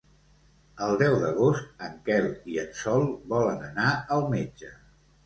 El deu d'agost en Quel i en Sol volen anar al metge.